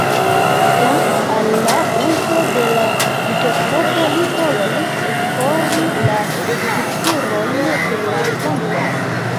Dank'al la uzo de la mikroskopo li povis esplori la strukturojn de la plantoj.